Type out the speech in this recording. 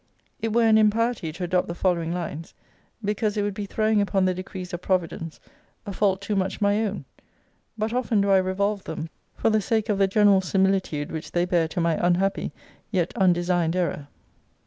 It were an impiety to adopt the following lines, because it would be throwing upon the decrees of Providence a fault too much my own. But often do I revolve them, for the sake of the general similitude which they bear to my unhappy, yet undersigned error.